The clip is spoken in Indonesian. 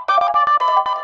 kau mau kemana